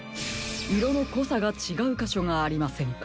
いろのこさがちがうかしょがありませんか？